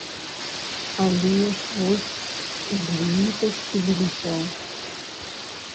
Але ж вось, злітасцівіліся.